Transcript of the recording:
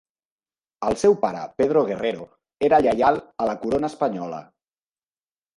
El seu pare, Pedro Guerrero, era lleial a la corona espanyola.